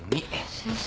先生。